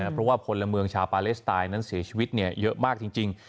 เพราะว่าพลเมืองชาวปาเลสไตน์นั้นเสียชีวิตเยอะมากจริง